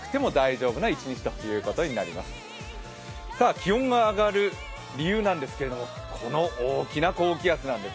気温が上がる理由なんですけれども、この大きな高気圧なんです。